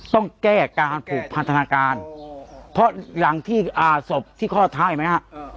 ต้องแก้การผูกพันธนาการเพราะอย่างที่อ่าศพที่ข้อเท้าเห็นไหมฮะ